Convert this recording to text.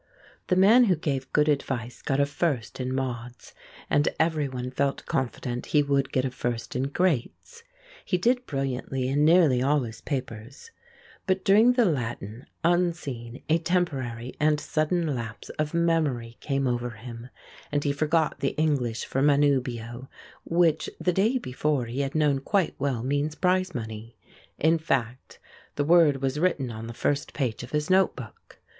The man who gave good advice got a "First" in Mods, and everyone felt confident he would get a first in Greats; he did brilliantly in nearly all his papers; but during the Latin unseen a temporary and sudden lapse of memory came over him and he forgot the English for manubioe, which the day before he had known quite well means prize money. In fact the word was written on the first page of his note book.